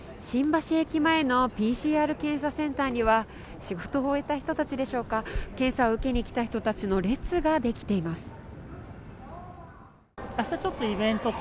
新橋駅前のＰＣＲ検査センターには仕事を終えた人たちでしょうか検査を受けに来た人たちの列ができています。